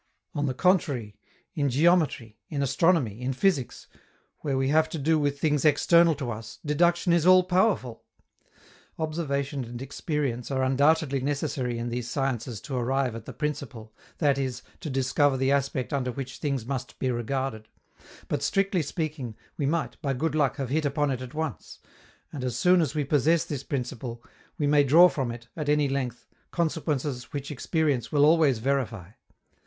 On the contrary, in geometry, in astronomy, in physics, where we have to do with things external to us, deduction is all powerful! Observation and experience are undoubtedly necessary in these sciences to arrive at the principle, that is, to discover the aspect under which things must be regarded; but, strictly speaking, we might, by good luck, have hit upon it at once; and, as soon as we possess this principle, we may draw from it, at any length, consequences which experience will always verify.